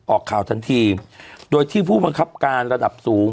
ออกข่าวทันทีโดยที่ผู้บังคับการระดับสูง